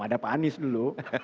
ada pak anies dulu